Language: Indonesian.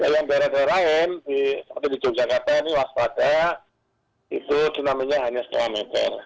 yang daerah daerah lain seperti di yogyakarta ini waspada itu tsunami nya hanya setengah meter